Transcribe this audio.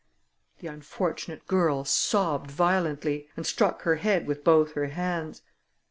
The unfortunate girl sobbed violently; and struck her head with both her hands.